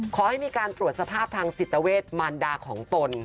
ขอให้มีการตรวจสภาพทางจิตเวทมารดาของตน